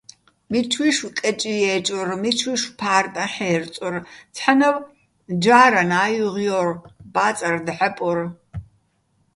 მიჩუჲშვ კეჭ ჲე́ჭორ, მიჩუჲშვ ფა́რტაჼ ჰ̦ე́რწორ, ცჰ̦ანავ ჯა́რანა́ ჲუღჲო́რ - ბაწარ დჵაპორ.